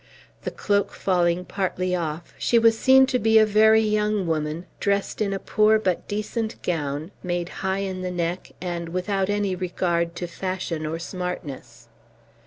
The cloak falling partly off, she was seen to be a very young woman dressed in a poor but decent gown, made high in the neck, and without any regard to fashion or smartness.